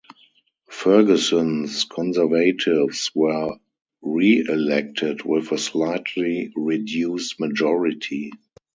Ferguson's Conservatives were re-elected with a slightly reduced majority.